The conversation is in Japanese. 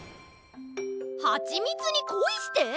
「はちみつにコイして」！？